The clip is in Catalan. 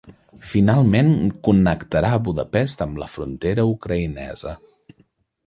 Finalment connectarà Budapest amb la frontera ucraïnesa.